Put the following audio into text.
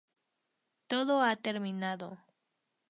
Todo ha terminado.